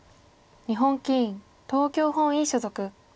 日本棋院東京本院所属。